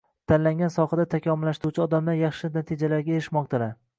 tanlangan sohada takomillashuvchi odamlar yaxshi natijalarga erishmoqdalar.